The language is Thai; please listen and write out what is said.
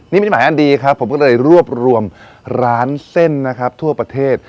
นี่ไม่ได้หมายอันดีครับผมก็เลยรวบรวมร้านเส้นนะครับทั่วประเทศ